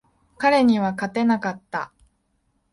彼には勝てなかった。